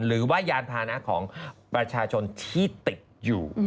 หรือว่ายานพานะของประชาชนที่ติดอยู่